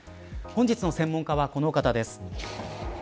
本日の専門家は、この方です。